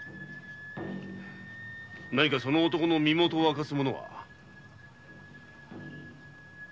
何かその男の身元を明かすものは？